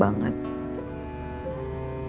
aku seneng banget